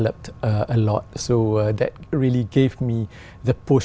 từ khi tôi ở đây hai mươi năm trước